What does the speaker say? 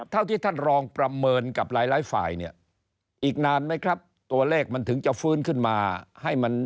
เท่าที่ท่านรองประเมินกับหลายฝ่ายเนี่ยอีกนานไหมครับตัวเลขมันถึงจะฟื้นขึ้นมาให้มัน